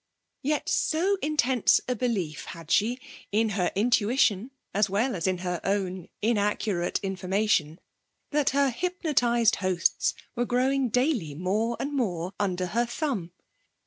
Yet so intense a belief had she in her intuition as well as in her own inaccurate information that her hypnotised hosts were growing daily more and more under her thumb.